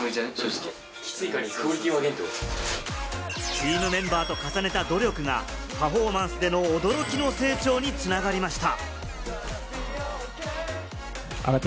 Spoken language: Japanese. チームメンバーと重ねた努力がパフォーマンスでの驚きの成長に繋がりました。